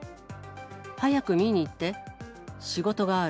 早く見に行って。